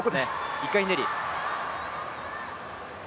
１回ひねり。